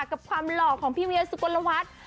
กับความหล่อของพี่เวียสุกลวัฒน์